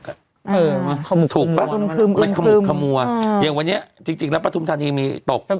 เออขมุกขมัวถูกปะมันขมุกขมัวอย่างวันนี้จริงแล้วประธุมธรรมนี้มีตก